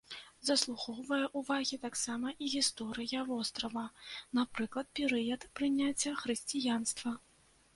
Заслугоўвае ўвагі таксама і гісторыя вострава, напрыклад, перыяд прыняцця хрысціянства.